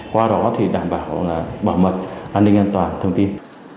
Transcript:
qua đó đảm bảo bảo mật an ninh an toàn thông tin